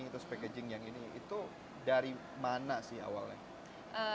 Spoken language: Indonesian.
itu packaging yang ini itu dari mana sih awalnya